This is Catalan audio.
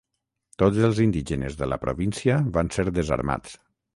Tots els indígenes de la província van ser desarmats.